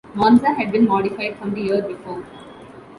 Monza had been modified from the year before.